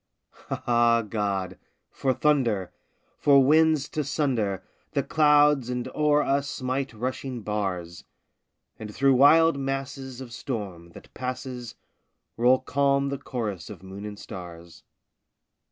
Ah, God! for thunder! for winds to sunder The clouds and o'er us smite rushing bars! And through wild masses of storm, that passes, Roll calm the chorus of moon and stars.